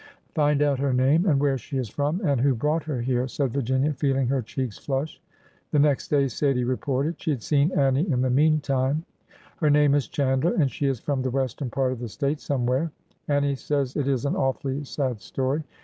Find out her name, and where she is from — and — who brought her here," said Virginia, feeling her cheeks flush. The next day Sadie reported. She had seen Annie in the meantime. 372 ORDER NO. 11 '' Her name is Chandler, and she is from the western ; part of the State, somewhere. Annie says it is an awfully ; sad story.